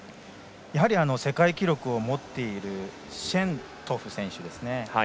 やはり世界記録を持つシェントゥフ選手ですね。